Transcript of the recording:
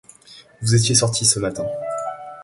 Vous étiez sortie ce matin.